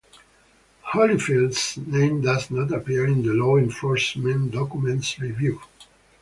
Holyfield's name does not appear in the law enforcement documents reviewed.